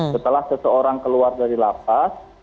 setelah seseorang keluar dari lapas